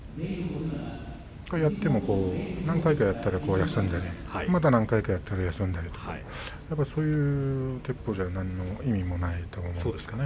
やっても何回かやったら休んでまた何回かやったら休んでそういうてっぽうでは何の意味もないと思うんです。